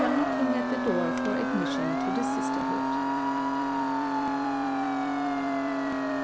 knocking at the door for admission to the sisterhood.